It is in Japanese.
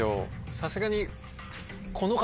さすがに。